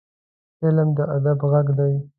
فلم د ادب غږ دی